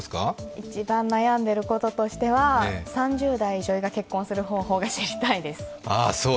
一番悩んでいることとしては、３０代、女医が結婚する方法が知りたいです。